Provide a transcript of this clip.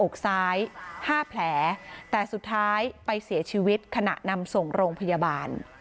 อกซ้ายห้าแผลแต่สุดท้ายไปเสียชีวิตขณะนำส่งโรงพยาบาล